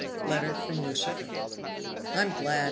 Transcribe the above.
12 Letter from Lucifer "I'm glad!"